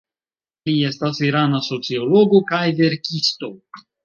Li estas irana sociologo kaj verkisto.